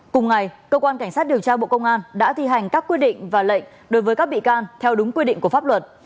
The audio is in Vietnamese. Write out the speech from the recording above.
cùng ngày cơ quan cảnh sát điều tra bộ công an đã thi hành các quy định và lệnh đối với các bị can theo đúng quy định của pháp luật